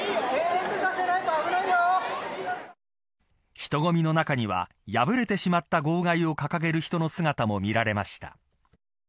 人混みの中には破れてしまった号外を掲げる人の姿も見られました。